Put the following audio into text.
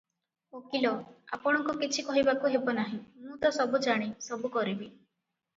ଓକିଲ - "ଆପଣଙ୍କୁ କିଛି କହିବାକୁ ହେବ ନାହିଁ, ମୁଁ ତ ସବୁ ଜାଣେ, ସବୁ କରିବି ।